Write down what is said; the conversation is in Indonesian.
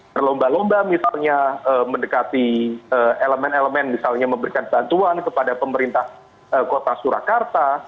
berlomba lomba misalnya mendekati elemen elemen misalnya memberikan bantuan kepada pemerintah kota surakarta